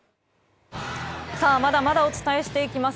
まだまだお伝えしていきます